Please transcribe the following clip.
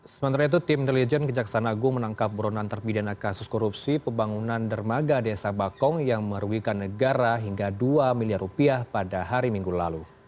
sementara itu tim intelijen kejaksaan agung menangkap buronan terpidana kasus korupsi pembangunan dermaga desa bakong yang merugikan negara hingga dua miliar rupiah pada hari minggu lalu